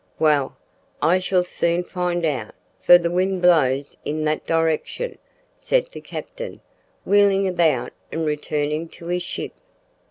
"Well. I shall soon find out, for the wind blows in that direction," said the captain, wheeling about and returning to his ship.